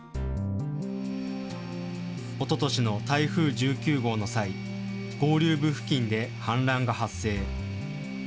おととしの台風１９号の際、合流部付近で氾濫が発生。